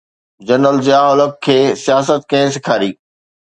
General Zia ul-Haq کي سياست ڪنهن سيکاري؟